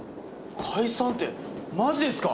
解散ってマジですか？